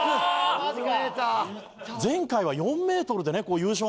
マジか！